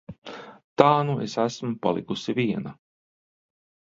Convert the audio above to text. Tā nu es esmu palikusi viena.